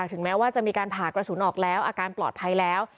ถึงแม้ว่าจะมีการผ่ากระสุนออกแล้วอาการปลอดภัยแล้ว